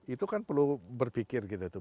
itu kan perlu berpikir gitu